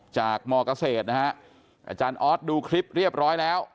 มเกษตรนะฮะอาจารย์ออสดูคลิปเรียบร้อยแล้ว